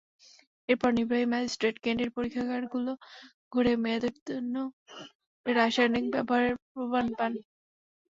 এরপর নির্বাহী ম্যাজিস্ট্রেট কেন্দ্রের পরীক্ষাগারগুলো ঘুরে মেয়াদোত্তীর্ণ রাসায়নিক ব্যবহারের প্রমাণ পান।